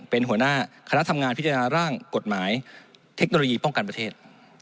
เป็นหัวหน้าคณะทำงานพิจารณาร่างกฎหมายเทคโนโลยีป้องกันประเทศ